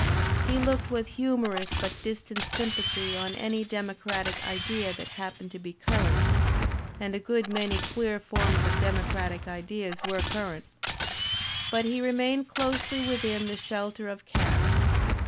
He looked with humor ous but distant sympathy on any democratic idea that hap pened to be current (and a good many queer forms of demo cratic ideas were current), but he remained closely within the shelter of caste.